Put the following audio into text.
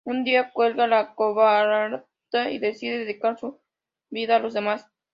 Un día cuelga la corbata y decide dedicar su vida a los demás.